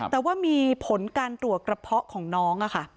แต่ว่ามีผลการตรวจกระเพาะของน้องค่ะ